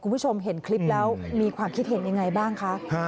คุณผู้ชมเห็นคลิปแล้วมีความคิดเห็นยังไงบ้างคะ